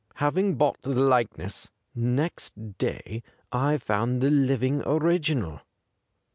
Having bought the likeness, next day I found the living original.